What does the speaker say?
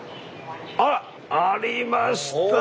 あら！ありました。